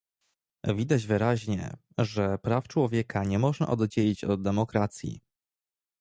Widać wyraźnie, że praw człowieka nie można oddzielić od demokracji